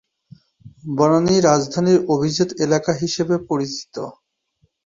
বনানী রাজধানীর অভিজাত এলাকা হিসেবে পরিচিত।